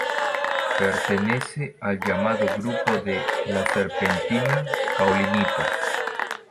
Pertenece al llamado grupo de la serpentina-caolinita.